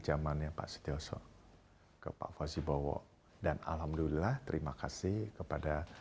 zamannya pak sutyoso ke pak fawzi bowo dan alhamdulillah terima kasih kepada